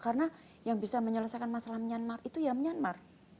karena yang bisa menyelesaikan masalah nyanmar itu yang nyanmar